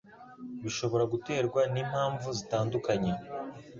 bishobora guterwa n'impamvu zitandukanye,